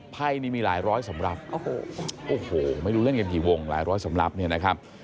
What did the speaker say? ไพ่นี่มีหลายร้อยสำหรับโอ้โหไม่รู้เล่นกันกี่วงหลายร้อยสำหรับเนี่ยนะครับ